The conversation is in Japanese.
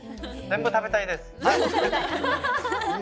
全部食べたいです。